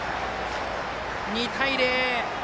２対０。